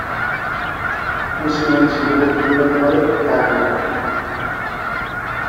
um silêncio morto na platéia